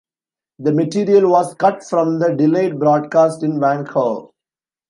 The material was cut from the delayed broadcast in Vancouver.